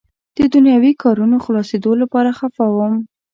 د دنیاوي کارونو خلاصېدو لپاره خفه وم.